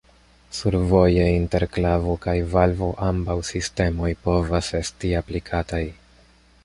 Survoje inter klavo kaj valvo ambaŭ sistemoj povas esti aplikataj.